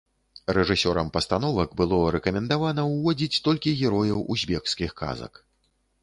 Рэжысёрам пастановак было рэкамендавана ўводзіць толькі герояў узбекскіх казак.